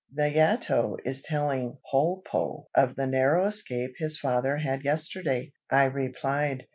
"Nayato is telling Polpo of the narrow escape his father had yesterday," I replied.